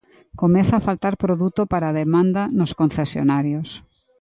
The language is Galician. Comeza a faltar produto para a demanda nos concesionarios.